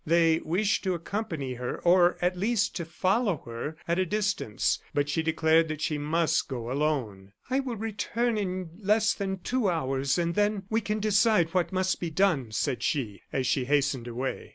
They wished to accompany her, or, at least, to follow her at a distance, but she declared that she must go alone. "I will return in less than two hours, and then we can decide what must be done," said she, as she hastened away.